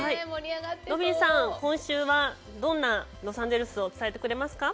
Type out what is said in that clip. ロビーさん、今週はどんなロサンゼルスを伝えてくれますか？